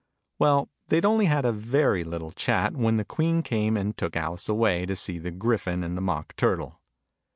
Well, they'd only had a very little chat, when the Queen came and took Alice away, to see the Gryphon and the Mock Turtle.